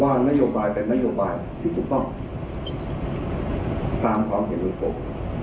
ว่านโยบายเป็นโยบายที่จุดต้องตามความเก็บหลุมโปรก